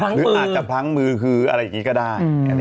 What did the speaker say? หรืออาจจะพลั้งมือคืออะไรอย่างนี้ก็ได้